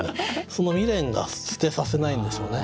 その未練が捨てさせないんでしょうね